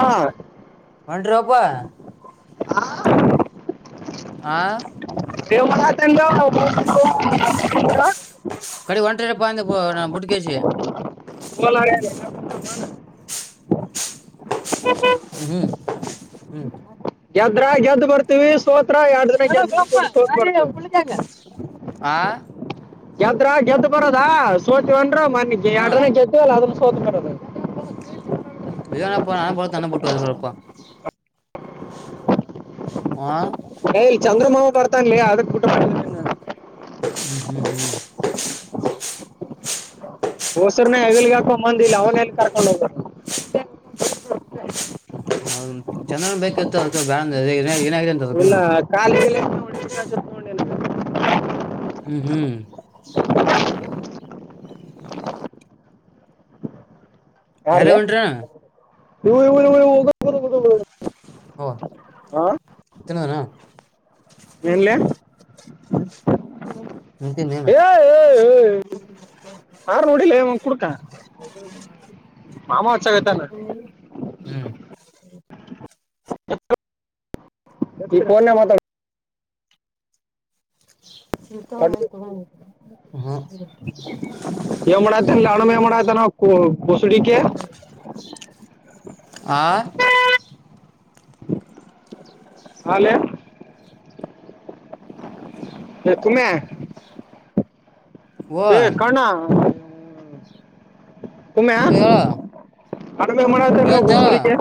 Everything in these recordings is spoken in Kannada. ಹಾ ಒಂಟ್ರಪ್ಪಾ ಹಾ ಆ [unintelligible] ಯಂಗ್ ಕಡೆ ಹೊಂಟ್ರಪ್ಪ ಅಂದೆ ನಾ [unintelligible] ಬುಟ್ಕೇಶಿ [unintelligible] ಹ್ಮ್ ಹ್ಮ್ ಗೆದ್ರ ಗೆದ್ದ್ ಬರ್ತೀವಿ ಸೋತ್ರ ಎರಡ್ ದಿನ ಗೆದ ಹಾ ಗೆದ್ರ ಗೆದ್ದು ಬರೋದ ಸೋತವನ್ರು ಮನೆಗ್ ಹ್ಮ್ ಎರಡ ಗೆದಲ್ಲ ಅದ ಸೋತ್ ಬರೋದು ಏನಪ್ಪ [unintelligible] ಪುಟ್ಟುವ ಹೇಳಪ್ಪ ಹ ಏ ಇಲ್ಲಿ ಚಂದ್ರಮಾವ ಬರ್ತಾಂನಲೇ ಅದ್ರ ಊಟ ಮಾಡ ಹ್ಮ್ ಹ್ಮ್ ಹ್ಮ್ ಹೋಸರ್ನ ಹೆಗಲ್ಗೆ ಹಾಕೊಂಡ ಬಂದಿಲ್ಲ ಅವನ ಎಲ್ಲಿ ಕರ್ಕೊಂಡ್ ಹೋಗ್ಬ ಚಂದ್ರನ್ ಬೇಕಿತ್ತು ಅದ ಬ್ಯಾನ್ ಇನ್ನ ಕಾಲತ್ಕೊಂಡೆನ ಹ್ಮ್ [inaudible] ಯಾರ ಉನ್ರ [unintelligible] ಇಗ ಬರಬ ಹ ತಿನ್ನದಾನ ಏನ್ಲೆಯ ಹ್ಮ ಏ ಏ ಹಾರ್ನ್ ನೋಡಿಲೇ ಅವ ಕುಡುಕ ಹ್ಮ್ [unintelligible] ಈಫೋನ್ ಮಾತಾಡ ಇತ ಮಾತಾಡ ಎ ಮಾಡಡ ತ ಆಡಮೆ ಮಾಡಡಾಯ ತ ಪಸರಿ ಕೆ ಆ ಹಾಲೇ ಹಕ್ಕುಮೆ ಓ ಕಣ ಏ ಹೇಳ ಅಡುವೆ ಮಾಡ ಕೇಳ್ತ ಹೇಳ ಹಸೂರಿಗೆ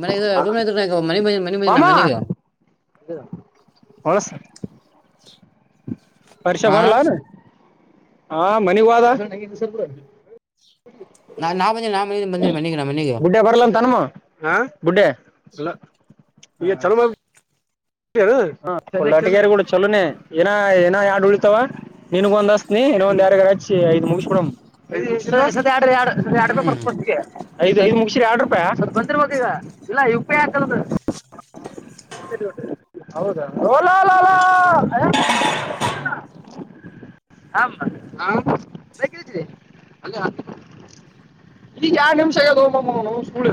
ಮ ರೂಮ್ ಮ ಮ ಮನೆ ಮಂದಿ ನಮ್ಮ ಮನೆಗೆ ಹಳ ಸ ಪರಿಕ್ಷಾ ಆ ಭರಲ ಹಾ ಮನ ವದ ್ಮ ನಾ ನಾ ಬಂದ ನಾ ಮ ಬಂದಿಿ ಮನೆಗೆ ನ ಮನೆಗೆ ಹುಡ್ಡಲ ಈ ಚಲೋ ಾಟಗಾರ ಕೂಡ ಚಲೋನ ಏನ ಏನ ಯಡು ಉಳಿತಾವ ನೀನ್ಗ ಒಂದಸ್ ನೀ ನ ಒಂದು ಯಾರ ಕಾಚು ಐದು ಮುಡ ಎಡು ಹ್ಮ್ ರೂಪಾಯಸ್ ಮು ಎರಡು ರೂಪಾಯ ಬಂದಿರ್ ಈಗ ಇಲ್ಲ ಆ ಸರಿಟ್ಟೆ ಹೌದಾ ರೋಲಾ ಲಾಲಾ ಹ ಹ ಬತರಿ ಅ ಈಗ ಯರಡ್ ನಿಮಿಷ ಆದ ಹೋಗಬಮ್ಮ ಸ್ಕೂಳ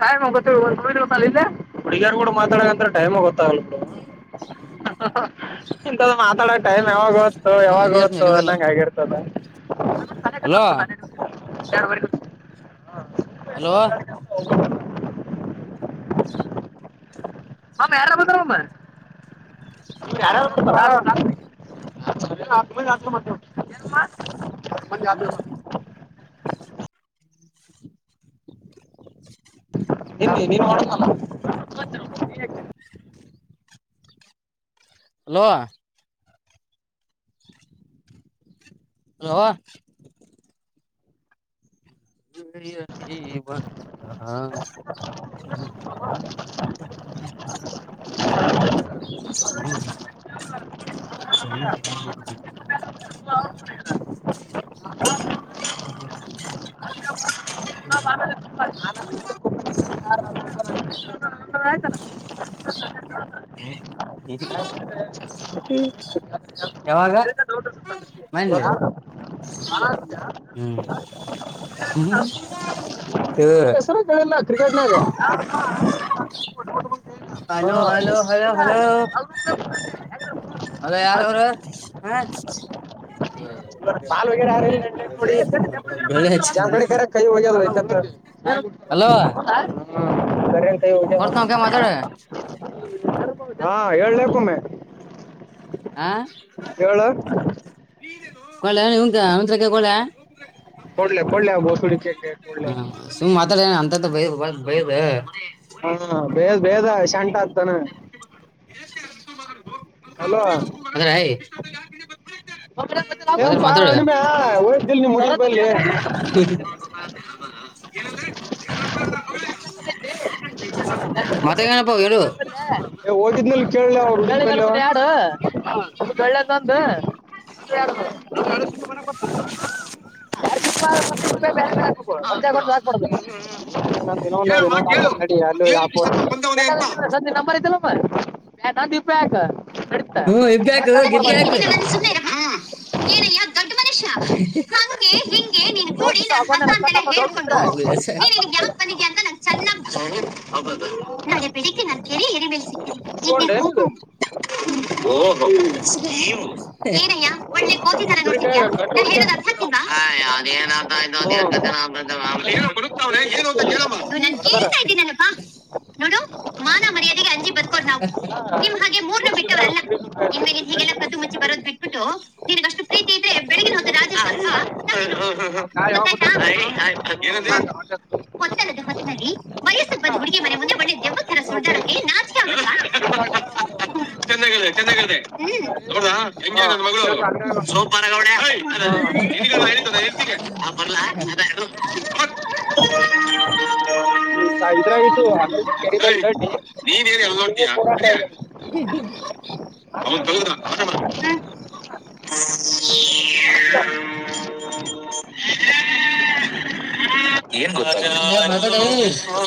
ಸಾಯ ಮಗತ್ತ ಹುಡಿಗಾರ ಕೂಡ ಮಾತಾಡಂತ ಟೈಮ್ ಗೊತ್ತಾಗಲ್ಲ ಕಡ ಇಂತದ ಮಾತಾಡೋ ಟೈಮ್ ಯಾವಾಗ ಓತ್ತು ಹ ಯಾವಾಗ ಎಲ್ಲಿಯಾರ ಓತ್ತು ಅನ್ನಂಗ ಆಗಿರ್ತದ ಅಲೋ ಹಲೋ ಹ [inaudible] ಹ ಮಾರ ಬದಮ್ಮ ಯಾರ ಯ ಮ ಬ [inaudible] ಹಲೋ ಹಲೋ ಅ ಬಂದಂತ ಹ್ಮ ಹ್ಮ ಹ್ಮ ಹ್ಮ್ ಹ ಸ ಹ ಹ್ಮ ಹೌ ಆಯ್ತ ಯಾವಾಗ [inaudible] ದ ಹ್ಮ ಸ ಹೆಸರು ಕೇಳಿಲ್ಲ ಕ್ರಿಕೆಟ್ನಾಗ ಹಾ ಹಲೋ ಹಲೋ ಹಲೋ ಹಲೋ ಅದ ಯಾರ ಅವರು ಬಾಲ್ವಗಡೆ ಯ್ರಲ್ಲ ನೋಡಿ ಬೆಳ್ಳಿ ಹಚ್ಚ ಚಾಮಖಡಿ ಕರೆ ಕಯ ಒ ಹಲೋ ಕಂ ಕೊಡ್ತ ಕ ನಕ ಮಾತಾಡ ಹ ಜ ಹಾ ಹೇಳ್ಲಕ್ಕೊಮ್ಮೆ ಆ ಏಳು ಕಳೆ ಹವಕ ಮಂತ್ರಕ ಕೋಳೆ ಕೊಡ್ಲ ಕೊಡ್ಲಬ ಸುಡಿಕ ಕೊಡ್ಲ ಅ ಬೈ ಬೈ ಹಾ ಬೇಜ್ ಬೇದ ಶಂಟ ಆತಾನ ಅ ಮದ್ರ ಪಾ ಮಾತಾಡ ಹಣಮೆ ಹಯ್ದಲ್ ನೀ ಮುಡ ಬಿ ಹಬ ಏನಂದ್ರೆ ಏನ್ ಮತ್ತೆ ನ ಪೋಗು ಏ ಹಓದಿದ್ನಲ್ಲಿ ಕೇಳ ಅವ ಹ ಒಳ್ಳೆಂತಂದ ಬಿ ಹಾ ಒಂಚೆ ಹಾಕ್ಬಡ ಇಂದ ಕೇಳಮ್ಮ ಇ ಕೇಳು ನ ಅಲ್ಲ ಯ ಅದೇನಕ್ಕೆ ಬ ಇಷ್ಟತ್ತ ಬಂದವನೇ ಅಂತ ನಂಬರ್ ಐಲ್ಲಮ್ಮ ಯಾಕ ಹ್ಮ ಇ್ಯಕ ಹೋಗಿಯಾ ಏನಯ್ಯ ದೊಡ್ಡ ಮನುಷ್ಯ [unintelligible] ಗೂಡಿ ನಾನ್ ಹಸ ಅಂತೆಲ್ಲ ಅವೋ ಚೆ ನಾಳೆ ಬೆಳಿಗ್ ನನ್ ಕೆರಿ ಎರಿ ಬೆಳ್ಸ ಚುಂಡೆನದು ಓಹೋ ಕಏನಯ ಒ ಕೋತಾರೆ ಕುರಿಕಾಯ ನೋತಿದ್ಯಾ ಗಟ್ಟ ನಾನ್ ಹೇಳೋದ ಅರ್ಥ ಹೊಡಿಕಾಡ್ತಿದ್ವಿ ಆ ಅದನ್ ಅರ್ಥ ನಾವು ಆಯ್ ಅದ ಏ ಬಡತ್ತಾವ್ರ ಏನು ಅಂತ ಕೆಳ ಮಾ ಮಾಡಡದಾರ ನೋಡು ಮಾನ ಮರ್ಯಾದೆಗೆ ಅಂಜಿ ಬದ್ಕೊಂಡ ನಾವು ನಿಮ್ ಹಾಗೆ ಮೂರ್ನ ಬಿ ಹ ಇನ್ ಮೇನ್ ಹೀಗೆಲ್ಲಾ ಕದ್ದು ಮುಚ್ಚಿ ಬರದ್ ಬಿಟ್ಬಿಟ್ಟು ನಿನಗ ಅಷ್ಟು ಪ್ರೀತಿ ಇದ್ರೆ ಬೆಳಗ್ನ ಹೋಗ್ತ ರಾಜ ಹ ಹದ ನಾಕ. ಹೊತ್ತಲ್ಲದದು ಹೊತ್ನಲ್ಲಿ ವಯಸ್ಸು ಬದ ಹುಡುಗಿ ಮನೆ ಮುಂದೆ ಒಣೆ ದೆಬ್ಮ್ಮತ್ತರ ಸುಡ್ದಾರೋಕೆ ನಾಚಕೆ [unintelligible] ಚೆನ್ನಾಗದೆ ಚೆನ್ನಾಗದೆ ನೋಡದ ಹಾ ಹೆಂಗಗೆ ನನ್ ಮಗಳು ಸೂಪರ್ ಅದ ಹಾ ಅದ ಎತಿಗ ಆ ಬರ್ಲಾ ಅದು ಹ್ಮ ಇದ್ರಾಗತ್ತು ಆಗ ಕೆಡಿಮಲ್ ಏಯ್, ಗಡ್ಡಿ ನೀನೇನ್ ಎಲ್ಲ ಸೀಮ ನೋಡ್ತೀಯಾ ಪೋರಾಟ ಅಡಿಯ ಇದೆ ಅವನ್ ತೆಗೆದ ಆರಾಮ [unintelligible] ಹ ಏನ್ ಗೊ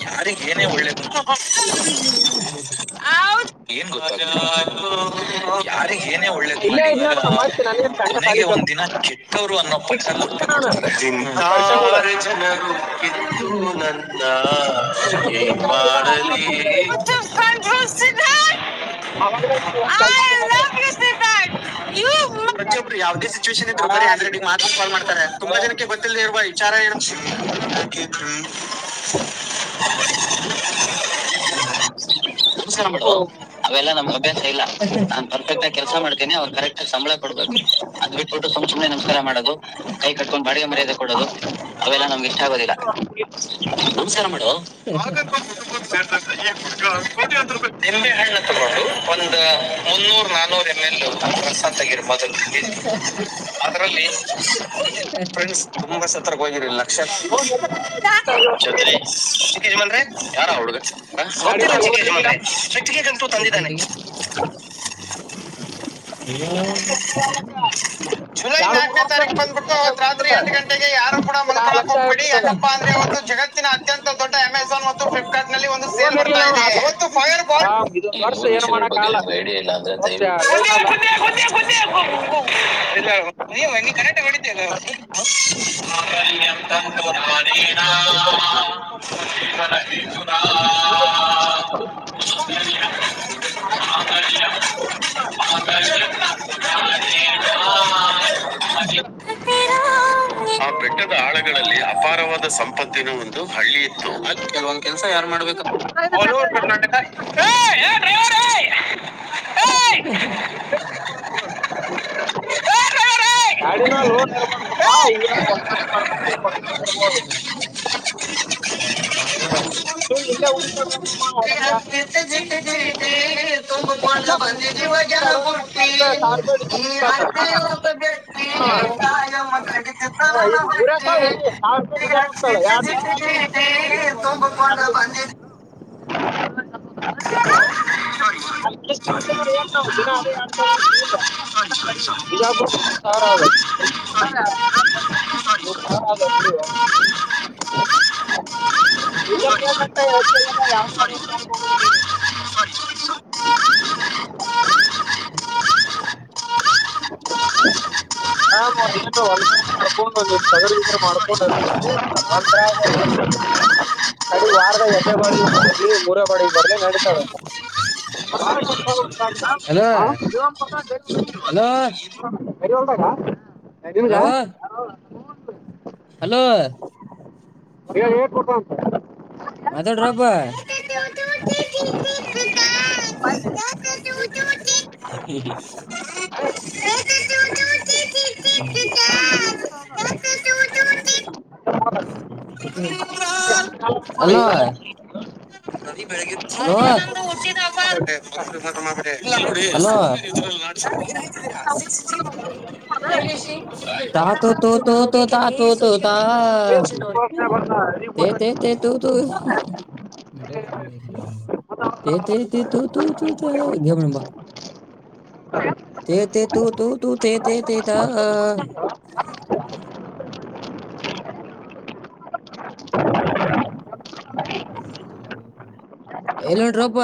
ಯಾರಿಗ ಏನೇ ಒಳ್ಳೇದುಂಟ ಏನ್ ಗೊ ಯಾರಿಗ್ ಏನೇ ಒಳ್ಳೇದು ಇಲ್ಲೇ ಮಾಡಿ ಇದ್ನ ನಾ ಮತ್ತೆ ನನಗೇನ್ ಸೆಂಟ ಕೊನೆಗೆ ಸಾಲಿ ಕಲ್ ಒಂದಿನ ಕೆಟ್ಟವ್ರು ಅನ್ನೋ ಪಟ್ಟ ಫಿಕ್ಸ್ ಕೊಟ್ಟೆ ನಾನು ಕೊಡ್ತಾರೆ ನಮ್ ಪರಿಶ್ಯ ಕೂಡ ಆರ ಜನಗುಕಿತ್ತುು ನನ್ನ ಕುರಿ ಕಾದ್ರೆ ಮಾಡಲಿ ಆರಾಮ್ ಏಳ್ ಲಕ್ಷ ಮ ಕಾಯತ ತ ಮ ಬಚ್ಚಿಯೊಬ್ರು ಯಾವ್ದೇ ಸಿಚುವೇಷನ್ ಇದ್ರು ಬರಿ ಆರಾಮ್ ಅನ್ರೆಡಿ ಮಾತ್ರ ಕಾ ಮಾಡ್ತಾರೆ ತುಂಬಾ ಹಾ ಜನಕ್ಕೆ ಗೊತ್ತಲ್ದೆ ಇಲ್ಬ ವಿಚಾರ ಏನು ನಮಸ್ಕಾರ ಮಾಡುವ ಅವೆಲ್ಲ ನಮ್ಗೆ ಅಭ್ಯಾಸ ಇಲ್ಲ ನಾನನ್ ಪರ್ಫೆಕ್ಟ್ ಆಗ ಕೆಲಸ ಮಾಡ್ತೇನೆ ಅವ್ರು ಕರೆಕ್ಟ್ ಆಗ ಸಂಬಳ ಕೊಡ್ಬೇಕು ಅದು ಬಿಟ್ಬಟ್ಟುಮ್ ಸುನೆ ನಮಸ್ಕಾರ ಮಾಡದು ಕೈ ಕಟ್ಕೊಂಡು ಬಾಡಿಗೆ ಮರ್ಯಾದೆ ಕೊಡೋದು ಅವೆಲ್ಲಾ ನಮ್ಗೆ ಇಷ್ಟ ಆಗೋದಿಲ್ಲ [unintelligible] ನಮಸ್ಕಾರ ಮೇಡಮ್ ಕುಟುಂಬದ ಸೇರ್ ಈ ಹುಡುಗ ಕೋಟಿಯ ಹಣ ತೊಂಡು ಒಂದು ಮುನ್ನೂರು ನಾನೂರು ಎಮ್ ಎಲ್ ರಸ ತಗಿರ ಮೊದಲು ಅದರಲ್ಲಿ ಫ್ರೆಂಡ್ಸ್ ತುಂಬಾ ಸತ್ರರಗ್ ಹೋಗಿರಿಲ್ಲ ಲಕ್ಷ ಲೋನ್ ಇರ್ಲಿಲ್ಲ ಅಂದ್ರೆ ನಿಂತ ಹೇಳ್ಬಿಡ್ತೀವಿ. ಚತ್ರಿ ಚಿ ಯಜ್ಮನ್ ಯಾರ ಹುಡುಗ ಗಾಡಿ ಗೊತ್ತಿಲ್ಲ ಮೇಲೆ ಚಿಕ್ಕ ಲೋನ್ ಯಜ್ಮನ್ ಇರ್ಲಿಲ್ಲ ಪೆಟ್ಟಿಗೆ ಗಂಟು ತಂದಿದ್ದಾನಲ್ಲಿ ಇ ಅಂದ್ರೆ ಜುಲೈ ಎರಡು ಮೂರು ನಾಲ್ಕನೇ ವರ್ಷದಾಗ ತಾರಕು ಬಂದ್ಬಿಟ್ಟು ಕಡೆಗೆ ಅವತ್ತ್ರಿ ಆಗ್ಬಿಡ್ತೀವಲ್ಲ ಎಂಟಂಟ ಯಾರ ಕೂಡ ಇದಕ್ಕೆ ಆರು ಮಲ್ಕಕ್ಕೆ ಲಕ್ಷ ಆಗ್ಬಿಡ್ತದ ಹೋಗ್ಬಡಿಪ್ಪ ಅಂದ್ರೆ ಅವತ್ತು ಜಗತ್ ಅತ್ಯಂತ ದೊಡ್ಡ ಅಮೆಜಾನ್ ಮತ್ತು ಫ್ಲಿಪ್ಕಾರ್ಟ್ ನಲ್ಲಿ ಒಂದು ಸೇಲ್ ಲೋನ್ ಬರ್ತಾ ಇರ್ಲಿಲ್ಲ ಅಂದ್ರೆ ಇದೆ ಆತದ ಇವತ್ತು ಫೈರ್ ಗೋಲ್ಡ್ ಆರಾಮ್ ಈ ಇದೊಂದು ವರ್ಷ ಮೂರು ಏನು ವಿಷಯಗಳು ಬಗ್ಗೆ ಮಾಡಕ್ಕಾಗಲ್ಲ ನಿಮ್ಗೆ ಿಡಿಯ ಇಲ್ಲ ಅಂದ್ರೆ ಇದೊಂದು ವರ್ಷ ದಯವಿಟ್ಟು ಲೋನ್ ಅದ [inaudible] ಇಲ್ಲ ನೀ ನೀ [unintelligible] ಇಲ್ಲೇ ಇ ತ ನ [unintelligible] [unintelligible] ಮಾಂಗಲ್ಯಂ ಮಾಂಗಲ್ಯ ಮಾಂಗಲ್ಯಂ ತಂತು ನಾನೇ ಆ [inaudible] ಬೆಟ್ಟದ ಆಳಗಳಲ್ಲಿ ಅಪಾರವಾದ ಸಂಪತ್ತಿನ ಒಂದು ಹಳ್ಳಿ ಇತ್ತು ಕೆಲವೊ ಕೆಲ್ಸ ಯಾರ್ ಮಾಡ್ಬೇಕ ಹಲರ್ ಕರ್ನಾಟಕ ಏ ಏ [unintelligible] ಕಡಿಮೇ ಲೋನ್ ಇರ್ಬಾರಡ್ದಪ್ಪಾ ಊರಾಗ ಬಸ ಮನೆ ಮಾಡ್ಕೊಂಡು ಕೊಡ್ಕೊ ಇರ್ಬೋದು ಹ ಇಲ್ಲೇ ಉಳಿತದಮ್ಮಮ್ಮ ಹೊಡದ್ರ ಕೇ ತುಂಬಕೊಂಡ ಬಂದಿದಿವ ಜನ ಎರಡೂವರೆ ಮೂರು ಬುಟ್ಟಿ ಸಾವಿರ ರೂಪಾಯಿ ಸಾವಿರ ರೂಪಾಯಿ ನೀ ಡೀಸೆಲ್ ಹೋಗ್ತದ ಅಷ್ಟೇ [unintelligible] ಹಾ, ಈಗ ಮೂರೇ ಸಾವಿರ ಹಿಡಿ ಸಾವಿರ ರೂಪಾಯಿ ಡೀಸೆಲ್ ಬಕ್ಕ ಹೋಗ್ತದ ಜಿಟ ಎರಡ್ ಸಾವಿರ ಅಲ್ಲಿ ಉಳಿಸಿದ್ರೆ ಜಿಟಿ ನೀವು ಒಂದು ಒಂದು ತುಂಬಿಕೊಂಡ ಗಾಡಿ ಬಂದ ಸರಿ ಬೇಕಂದ್ರೆ. ಸರಿ ಅಟ್ ಏ ನಾವು ದಿನ ಅದೇ ಎರಡ್ ಸಾವಿರ ಉಳ ಬಿಜಾಪುರ್ ಸಾವಿರ ಯ ಮೂರ್ ಸಾವಿರ ಆದದ ನೋಡಿುವ [unintelligible] ಜೆಪ ಕಟ್ಟೆ ಹೆಚ್ಚಗ್ಯದ ಯಾವನೇ ಎರಡು ವರ್ಷ ಆಕ್ಕೆ ಹೋಗುದಿಲ್ಲಗ ಹಾ ಮ್ ಏನ್ ಹೊಲ್ ಮನೆ ಮಾಡ್ಕೊಂಡ್ ಒಂದ್ ದಿವ ತಗರಿಗ್ರ ಮಾಡ್ಕೊಂಡದಂ ಅಡಿ ವಾರದ ಎಡ್ಡ ಬಾಳಿಗೆ ಬರ್ಲಿ ಮೂರೇ ಬಾಳಿಗೆ ಬರ್ಲಿ ನಡತದೆ [inaudible] ರಿ ಹಲೋ ಹಲೋ ಹೊಲ್ದಾ [unintelligible] ನಮ್ಗ ಹಲೋ ಹಲೋ ನೀ ಏನ್ ಕೊಡ್ತಂತ ಮಾತಾಡ್ರೋಪ್ಪ ಹ [inaudible] [inaudible] ಇವ ಹಲೋ ಹಲೋ ತಾತೋ ತೋ ತೋ ತಾ ತಾ ಹ [unintelligible] [unintelligible] [unintelligible] ತೆ ತೆ ತು ತು ತು ತಾ ಎಲ್ಲಂಟ್ರಬ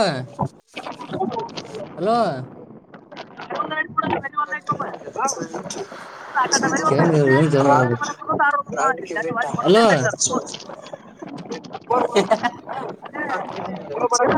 ಹಲೋ [unintelligible] ರ ಬಟ ಅಲೋ [unintelligible]